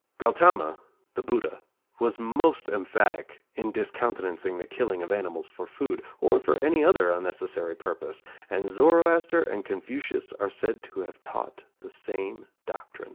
_ Gautama, the Buddha, was most emphatic in discountenancing the killing of animals for food, or for any other unnecessary purpose, and Zoroaster and Confucius are said to have taught the same doctrine.